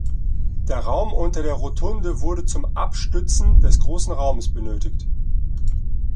Der Raum unter der Rotunde wurde zum Abstützen des großen Raumes benötigt.